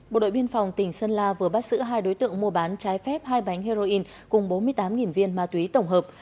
bộ đội biên phòng tỉnh sơn la vừa bắt giữ hai đối tượng mua bán trái phép hai bánh heroin cùng bốn mươi tám viên ma túy tổng hợp